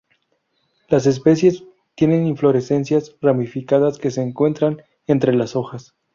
Las especies tienen inflorescencias ramificadas que se encuentran entre las hojas.